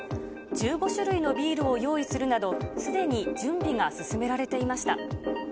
１５種類のビールを用意するなど、すでに準備が進められていました。